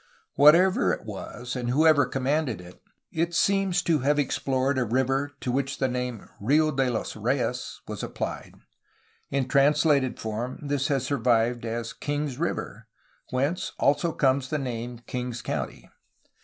Whatever it was and whoever commanded it, it seems to have explored a river to which the name "Rio de los Reyes^^ was applied. In translated form this has survived as "Kings River," whence also comes the name Kings County.